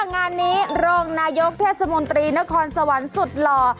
งานนี้รองนายกเทศมนตรีนครสวรรค์สุดหล่อ